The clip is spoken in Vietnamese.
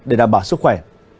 để đảm bảo sức khỏe